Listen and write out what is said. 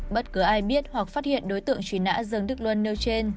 bất cứ ai biết hoặc phát hiện đối tượng truy nã dương đức luân nêu trên